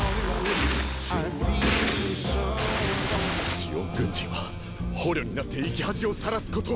ジオン軍人は捕虜になって生き恥をさらすことはない。